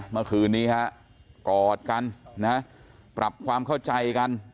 เมื่อคืนนี้ฮะกอดกันนะปรับความเข้าใจกัน